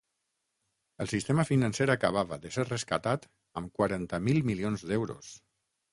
El sistema financer acabava de ser rescatat amb quaranta mil milions d’euros.